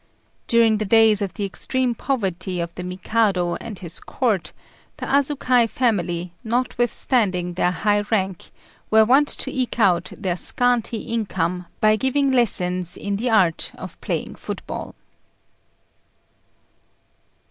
During the days of the extreme poverty of the Mikado and his Court, the Asukai family, notwithstanding their high rank, were wont to eke out their scanty income by giving lessons in the art of playing football.